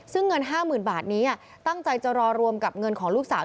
ซึ่งเงิน๕๐๐๐บาทนี้ตั้งใจจะรอรวมกับเงินของลูกสาว